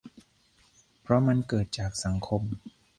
เพราะมันเกิดจากสังคม